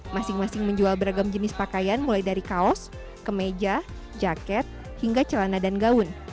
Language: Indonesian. masing masing menjual beragam jenis pakaian mulai dari kaos kemeja jaket hingga celana dan gaun